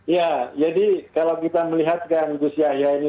ya jadi kalau kita melihatkan gus yahya ini kan untuk memenangkan kontestasi